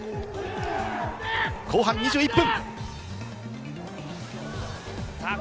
後半２１分。